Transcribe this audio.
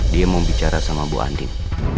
dia mau bicara sama bu andin